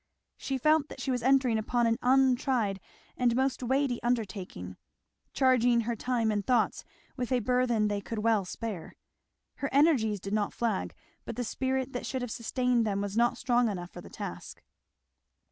She felt that she was entering upon an untried and most weighty undertaking; charging her time and thoughts with a burthen they could well spare. Her energies did not flag, but the spirit that should have sustained them was not strong enough for the task.